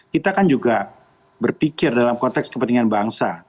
kita kan juga berpikir dalam konteks kepentingan bangsa